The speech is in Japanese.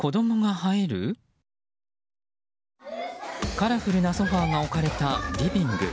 カラフルなソファが置かれたリビング。